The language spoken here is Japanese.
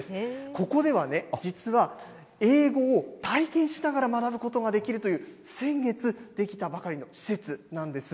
ここではね、実は英語を体験しながら学ぶことができるという、先月出来たばかりの施設なんです。